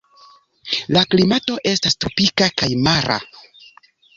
La klimato estas tropika kaj mara.